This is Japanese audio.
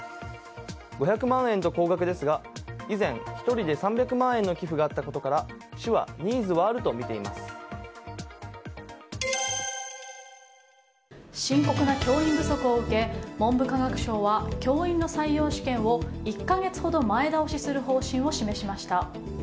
５００万円と高額ですが以前、１人で３００万円の寄付があったことから深刻な教員不足を受け文部科学省は教員の採用試験を１か月ほど前倒しする方針を示しました。